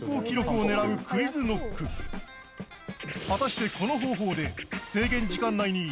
果たしてこの方法で制限時間内に